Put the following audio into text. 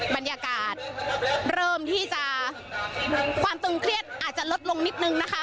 บรรยากาศเริ่มที่จะความตึงเครียดอาจจะลดลงนิดนึงนะคะ